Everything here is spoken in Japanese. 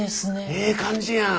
ええ感じやん。